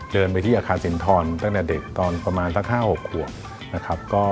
เดินไปที่อาคารสินทรตั้งแต่เด็กตอนประมาณสัก๕๖ขวบนะครับ